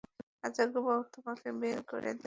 তোমাকে বের করে দেবো!